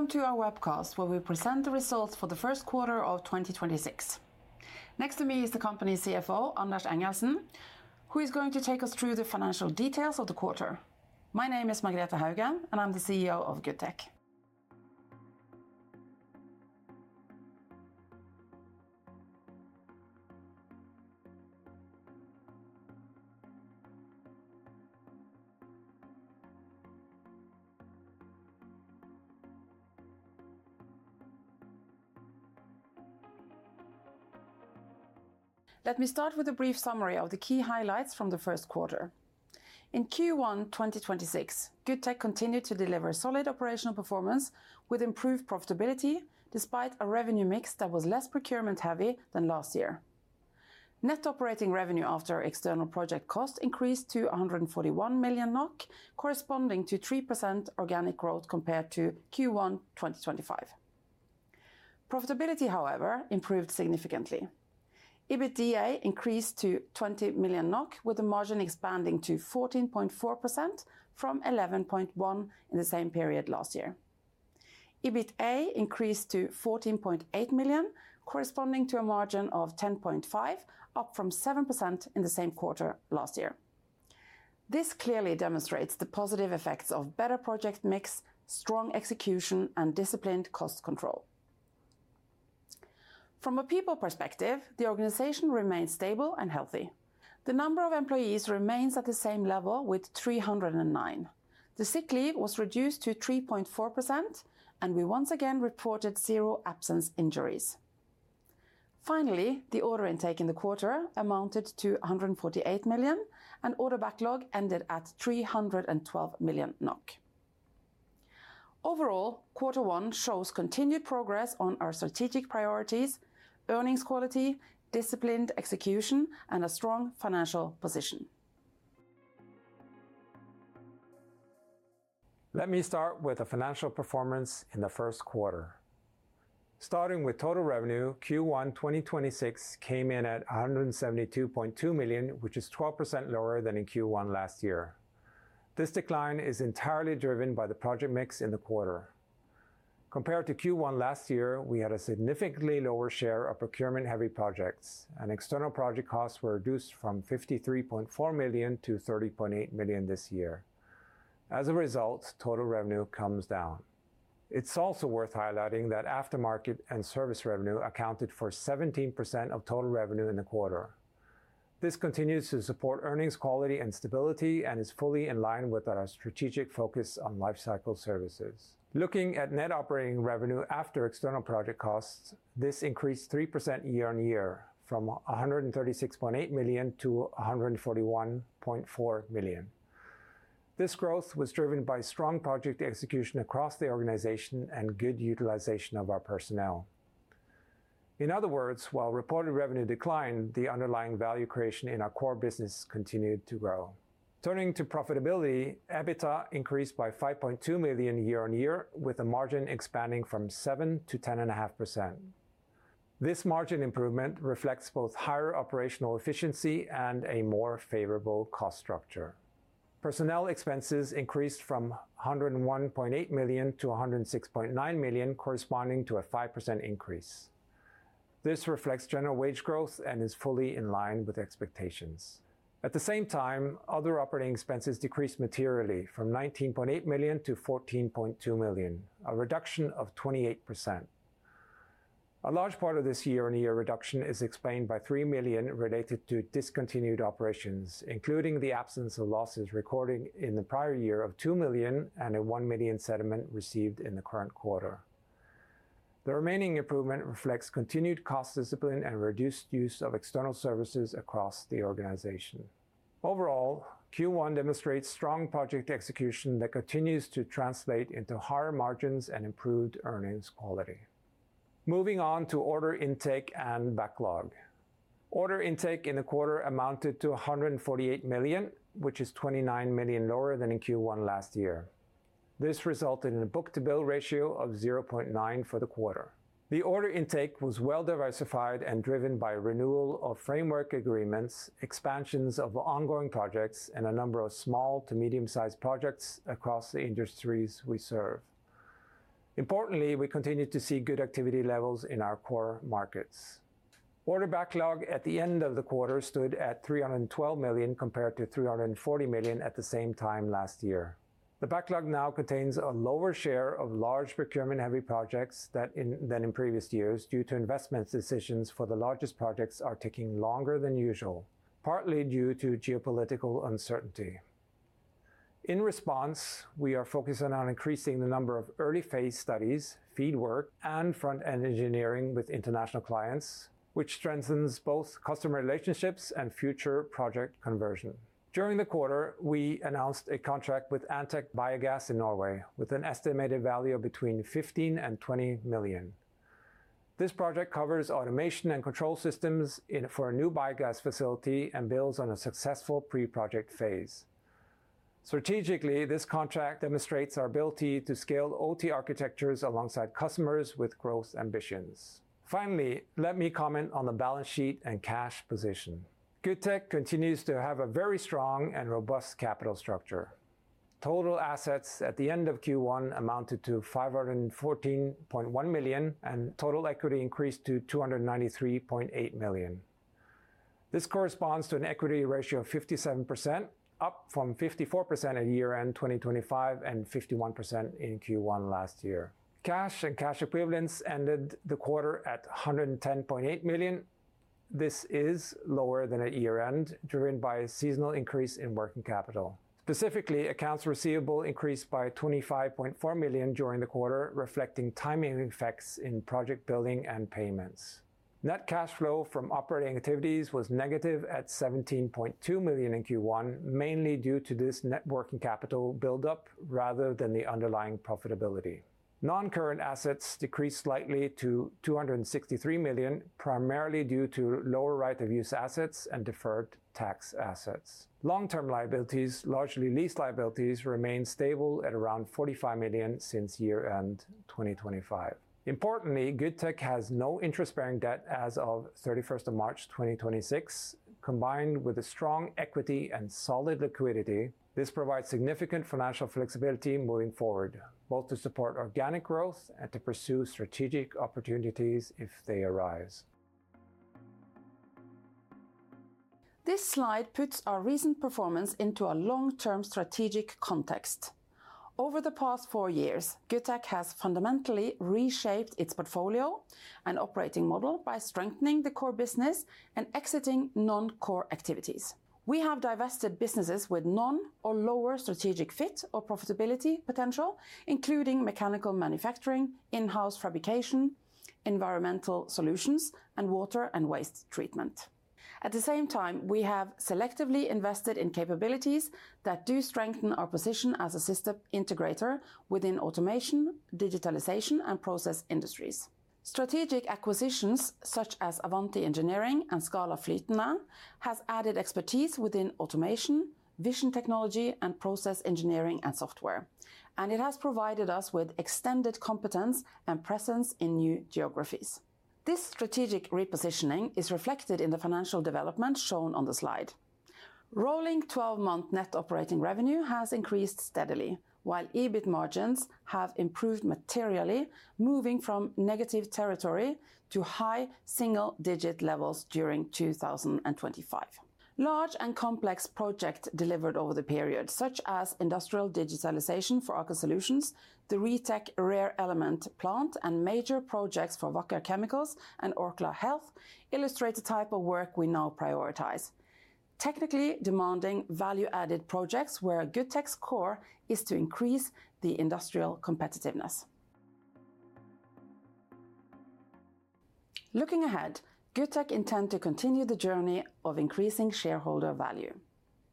Welcome to our webcast, where we present the results for the first quarter of 2026. Next to me is the company's CFO, Anders Engelsen, who is going to take us through the financial details of the quarter. My name is Margrethe Hauge and I'm the CEO of Goodtech. Let me start with a brief summary of the key highlights from the first quarter. In Q1 2026, Goodtech continued to deliver solid operational performance with improved profitability despite a revenue mix that was less procurement heavy than last year. Net operating revenue after external project costs increased to 141 million NOK, corresponding to 3% organic growth compared to Q1 2025. Profitability, however, improved significantly. EBITDA increased to 20 million NOK, with the margin expanding to 14.4% from 11.1% in the same period last year. EBITA increased to 14.8 million, corresponding to a margin of 10.5%, up from 7% in the same quarter last year. This clearly demonstrates the positive effects of better project mix, strong execution, and disciplined cost control. From a people perspective, the organization remains stable and healthy. The number of employees remains at the same level with 309. The sick leave was reduced to 3.4%, and we once again reported zero absence injuries. Finally, the order intake in the quarter amounted to 148 million, and order backlog ended at 312 million NOK. Overall, quarter one shows continued progress on our strategic priorities, earnings quality, disciplined execution, and a strong financial position. Let me start with the financial performance in the first quarter. Starting with total revenue, Q1 2026 came in at 172.2 million, which is 12% lower than in Q1 last year. This decline is entirely driven by the project mix in the quarter. Compared to Q1 last year, we had a significantly lower share of procurement-heavy projects, and external project costs were reduced from 53.4 million-30.8 million this year. As a result, total revenue comes down. It's also worth highlighting that aftermarket and service revenue accounted for 17% of total revenue in the quarter. This continues to support earnings quality and stability, and is fully in line with our strategic focus on life cycle services. Looking at net operating revenue after external project costs, this increased 3% year-over-year from 136.8 million-141.4 million. This growth was driven by strong project execution across the organization and good utilization of our personnel. In other words, while reported revenue declined, the underlying value creation in our core business continued to grow. Turning to profitability, EBITDA increased by 5.2 million year-over-year, with the margin expanding from 7%-10.5%. This margin improvement reflects both higher operational efficiency and a more favorable cost structure. Personnel expenses increased from 101.8 million-106.9 million, corresponding to a 5% increase. This reflects general wage growth and is fully in line with expectations. At the same time, other operating expenses decreased materially from 19.8 million-14.2 million, a reduction of 28%. A large part of this year-on-year reduction is explained by 3 million related to discontinued operations, including the absence of losses recorded in the prior year of 2 million and a 1 million settlement received in the current quarter. The remaining improvement reflects continued cost discipline and reduced use of external services across the organization. Overall, Q1 demonstrates strong project execution that continues to translate into higher margins and improved earnings quality. Moving on to order intake and backlog. Order intake in the quarter amounted to 148 million, which is 29 million lower than in Q1 last year. This resulted in a book-to-bill ratio of 0.9 for the quarter. The order intake was well-diversified and driven by renewal of framework agreements, expansions of ongoing projects, and a number of small to medium-sized projects across the industries we serve. Importantly, we continue to see good activity levels in our core markets. Order backlog at the end of the quarter stood at 312 million compared to 340 million at the same time last year. The backlog now contains a lower share of large procurement-heavy projects than in previous years due to investments decisions for the largest projects are taking longer than usual, partly due to geopolitical uncertainty. In response, we are focusing on increasing the number of early-phase studies, FEED work, and front-end engineering with international clients, which strengthens both customer relationships and future project conversion. During the quarter, we announced a contract with Antec Biogas AS in Norway with an estimated value of between 15 million and 20 million. This project covers automation and control systems for a new biogas facility and builds on a successful pre-project phase. Strategically, this contract demonstrates our ability to scale OT architectures alongside customers with growth ambitions. Finally, let me comment on the balance sheet and cash position. Goodtech continues to have a very strong and robust capital structure. Total assets at the end of Q1 amounted to 514.1 million, and total equity increased to 293.8 million. This corresponds to an equity ratio of 57%, up from 54% at year-end 2025, and 51% in Q1 last year. Cash and cash equivalents ended the quarter at 110.8 million. This is lower than at year-end, driven by a seasonal increase in working capital. Specifically, accounts receivable increased by 25.4 million during the quarter, reflecting timing effects in project billing and payments. Net cash flow from operating activities was negative at -17.2 million in Q1, mainly due to this net working capital buildup rather than the underlying profitability. Non-current assets decreased slightly to 263 million, primarily due to lower right of use assets and deferred tax assets. Long-term liabilities, largely lease liabilities, remain stable at around 45 million since year-end 2025. Importantly, Goodtech has no interest-bearing debt as of 31st of March 2026. Combined with a strong equity and solid liquidity, this provides significant financial flexibility moving forward, both to support organic growth and to pursue strategic opportunities if they arise. This slide puts our recent performance into a long-term strategic context. Over the past four years, Goodtech has fundamentally reshaped its portfolio and operating model by strengthening the core business and exiting non-core activities. We have divested businesses with non or lower strategic fit or profitability potential, including mechanical manufacturing, in-house fabrication, environmental solutions, and water and waste treatment. At the same time, we have selectively invested in capabilities that do strengthen our position as a system integrator within automation, digitalization, and process industries. Strategic acquisitions, such as Avanti Engineering and Skala Flytende, has added expertise within automation, vision technology, and process engineering and software. It has provided us with extended competence and presence in new geographies. This strategic repositioning is reflected in the financial development shown on the slide. Rolling 12-month net operating revenue has increased steadily, while EBIT margins have improved materially, moving from negative territory to high single-digit levels during 2025. Large and complex project delivered over the period, such as industrial digitalization for Aker Solutions, the REEtec rare earth element plant, and major projects for Wacker Chemie AG and Orkla Health AS illustrate the type of work we now prioritize. Technically demanding value-added projects where Goodtech's core is to increase the industrial competitiveness. Looking ahead, Goodtech intend to continue the journey of increasing shareholder value.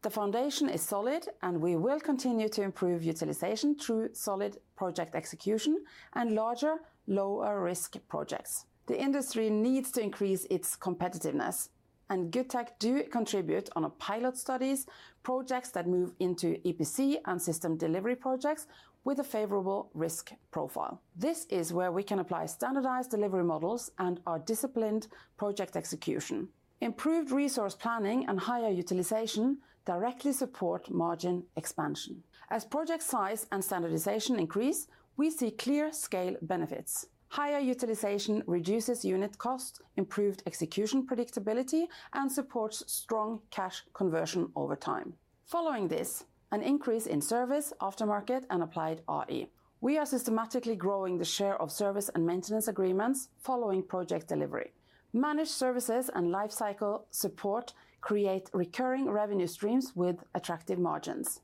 The foundation is solid, and we will continue to improve utilization through solid project execution and larger lower risk projects. The industry needs to increase its competitiveness, and Goodtech do contribute on a pilot studies projects that move into EPC and system delivery projects with a favorable risk profile. This is where we can apply standardized delivery models and our disciplined project execution. Improved resource planning and higher utilization directly support margin expansion. As project size and standardization increase, we see clear scale benefits. Higher utilization reduces unit cost, improved execution predictability, and supports strong cash conversion over time. Following this, an increase in service, aftermarket, and applied AI. We are systematically growing the share of service and maintenance agreements following project delivery. Managed services and life cycle support create recurring revenue streams with attractive margins.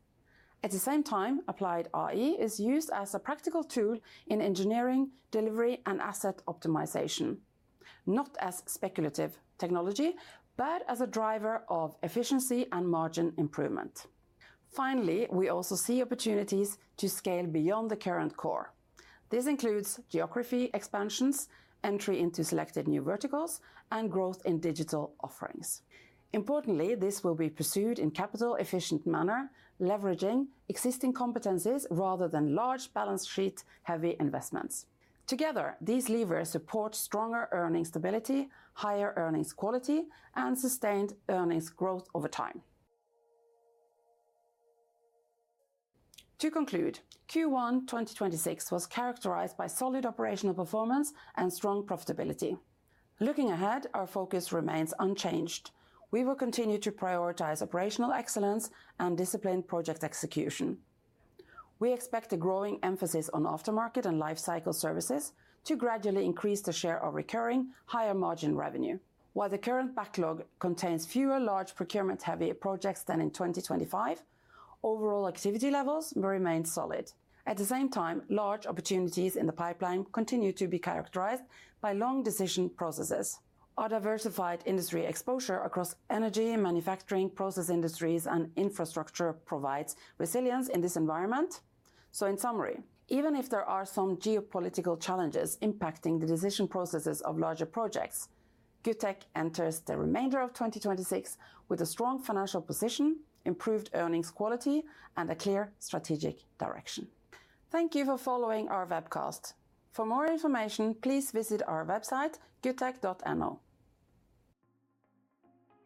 At the same time, applied AI is used as a practical tool in engineering, delivery, and asset optimization. Not as speculative technology, but as a driver of efficiency and margin improvement. Finally, we also see opportunities to scale beyond the current core. This includes geography expansions, entry into selected new verticals, and growth in digital offerings. Importantly, this will be pursued in capital efficient manner, leveraging existing competencies rather than large balance sheet heavy investments. Together, these levers support stronger earning stability, higher earnings quality, and sustained earnings growth over time. To conclude, Q1 2026 was characterized by solid operational performance and strong profitability. Looking ahead, our focus remains unchanged. We will continue to prioritize operational excellence and disciplined project execution. We expect a growing emphasis on aftermarket and life cycle services to gradually increase the share of recurring higher margin revenue. While the current backlog contains fewer large procurement heavy projects than in 2025, overall activity levels will remain solid. At the same time, large opportunities in the pipeline continue to be characterized by long decision processes. Our diversified industry exposure across energy, manufacturing, process industries, and infrastructure provides resilience in this environment. In summary, even if there are some geopolitical challenges impacting the decision processes of larger projects, Goodtech enters the remainder of 2026 with a strong financial position, improved earnings quality, and a clear strategic direction. Thank you for following our webcast. For more information, please visit our website, goodtech.no.